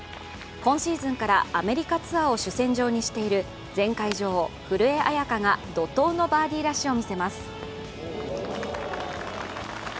今シーズンからアメリカツアーを主戦場にしている前回女王・古江彩佳が怒とうのバーディーラッシュを見せます。